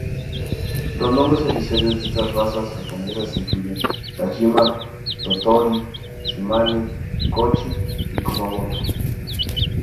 Los nombres oficiales de estas razas japonesas incluyen: Tajima, Tottori, Shimane, Kochi y Kumamoto.